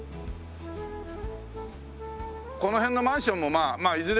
この辺のマンションもまあいずれ